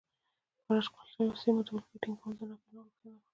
پر اشغال شویو سیمو د ولکې ټینګول د ناپلیون غوښتنه وه.